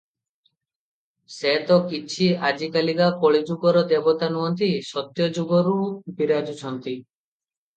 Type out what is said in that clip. ସେ ତ କିଛି ଆଜିକାଲିକା କଳିଯୁଗର ଦେବତା ନୁହନ୍ତି ; ସତ୍ୟଯୁଗରୁ ବିରାଜୁଛନ୍ତି ।